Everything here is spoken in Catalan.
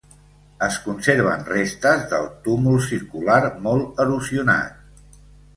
Es conserven restes del túmul circular, molt erosionat.